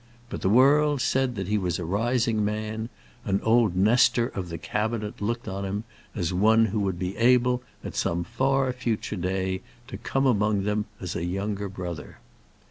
But the world said that he was a rising man, and old Nestor of the Cabinet looked on him as one who would be able, at some far future day, to come among them as a younger brother.